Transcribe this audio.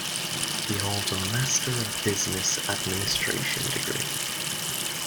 He holds a Master of Business Administration degree.